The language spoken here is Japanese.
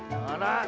あら。